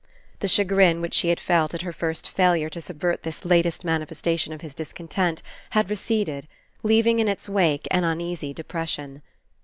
The chagrin which she had felt at her first failure to subvert this latest manifestation of his discontent had receded, leaving In Its wake an uneasy depression.